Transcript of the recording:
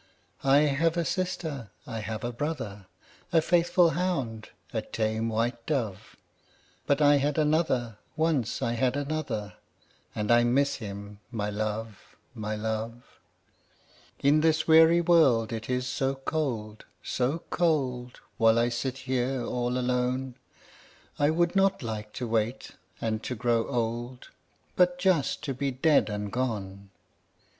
I have a sister, I have a brother, A faithful hound, a tame white dove; 10 But I had another, once I had another, And I miss him, my love, my love! In this weary world it is so cold, so cold, While I sit here all alone; I would not like to wait and to grow old, But just to be dead and gone.